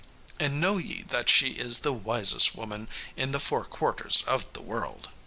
And know ye that she is the wisest woman in the four quarters of the world."